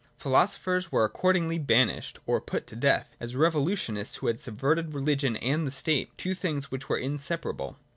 Philosophers were accordingly banished or put to death, as revolutionists who had sub verted religion and the state, two things which were in separable.